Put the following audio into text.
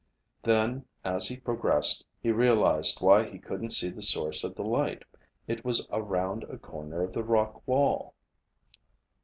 Then, as he progressed, he realized why he couldn't see the source of the light. It was around a corner of the rock wall.